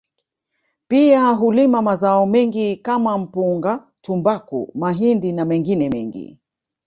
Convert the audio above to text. Pia hulima mazao mengine kama mpunga tumbaku mahindi na mengine mengi